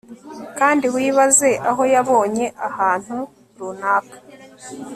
Kandi wibaze aho yabonye ahantu runaka